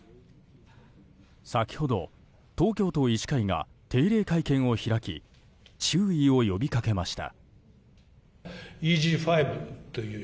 先ほど、東京都医師会が定例会見を開き注意を呼びかけました。